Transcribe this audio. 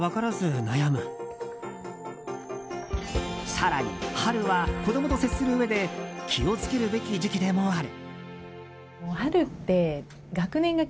更に、春は子供と接するうえで気を付けるべき時期でもある。